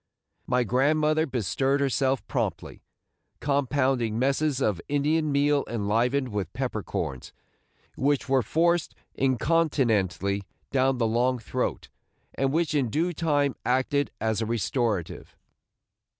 My grandmother bestirred herself promptly, compounding messes of Indian meal enlivened with pepper corns, which were forced incontinently down the long throat, and which in due time acted as a restorative.